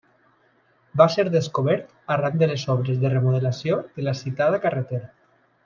Va ser descobert arran de les obres de remodelació de la citada carretera.